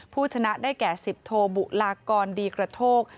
ผู้ชนะได้แก่๑๐โทบุลากรดีกระโทก